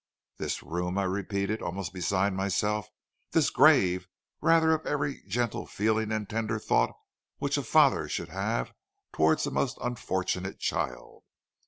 "'This room!' I repeated, almost beside myself. 'This grave rather of every gentle feeling and tender thought which a father should have towards a most unfortunate child.